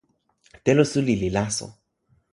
telo suli li laso.